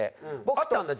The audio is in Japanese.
会ったんだ？